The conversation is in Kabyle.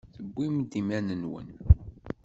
Tewwim-d iman-nwen.